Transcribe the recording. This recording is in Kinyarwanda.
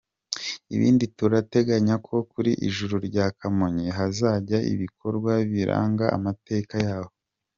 Ibindi turateganya ko kuri Ijuru rya Kamonyi, hazajya ibikorwa biranga amateka yaho.